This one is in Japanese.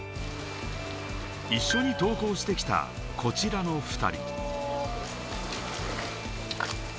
一緒に登校してきた、こちらの２人。